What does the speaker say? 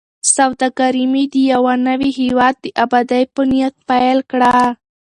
سوداګري مې د یوه نوي هیواد د ابادۍ په نیت پیل کړه.